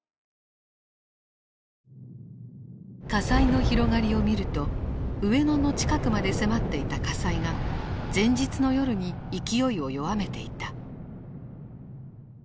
火災の広がりを見ると上野の近くまで迫っていた火災が前日の夜に勢いを弱めていた。